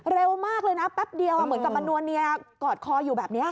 เร็วมากเลยนะแป๊บเดียวเหมือนกับมานัวเนียกอดคออยู่แบบนี้